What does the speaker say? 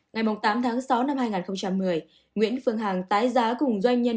ngày tám tháng sáu năm hai nghìn một mươi nguyễn phương hằng tái giá cùng doanh nhân